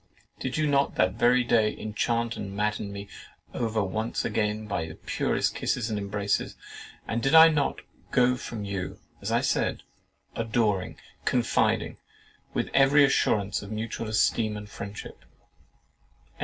Did you not that very day enchant and madden me over again by the purest kisses and embraces, and did I not go from you (as I said) adoring, confiding, with every assurance of mutual esteem and friendship?"